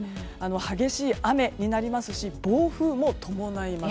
激しい雨になりますし暴風も伴います。